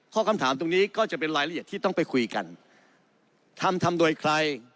คำถามตรงนี้ก็จะเป็นรายละเอียดที่ต้องไปคุยกันทำทำโดยใคร